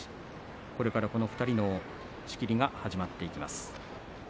これから２人の仕切りが始まっていきます。